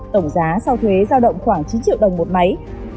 tổng giá sau thuế giao động khoảng chín triệu đồng một máy